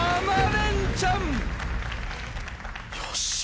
よっしゃ。